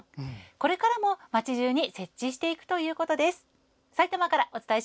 これからも、街じゅうに次々設置していくというこです。